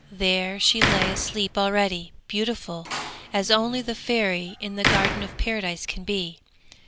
There she lay asleep already, beautiful as only the Fairy in the Garden of Paradise can be.